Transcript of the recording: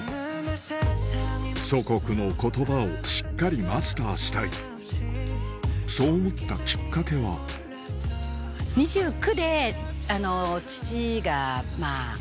祖国の言葉をしっかりマスターしたいそう思ったきっかけは何か。